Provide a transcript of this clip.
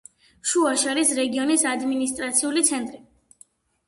შუა შარის რეგიონის ადმინისტრაციული ცენტრი.